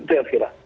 begitu ya elvira